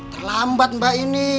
terlambat mbak ini